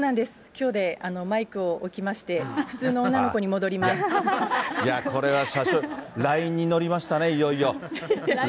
きょうでマイクを置きまして、いや、これは、ラインに乗りましたね、いよいよ。